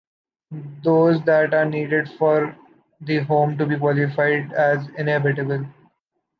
Those that are needed for the home to be qualified as inhabitable.